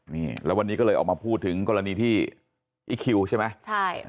นี่แล้ววันนี้ก็เลยออกมาพูดถึงกรณีที่อีคคิวใช่ไหม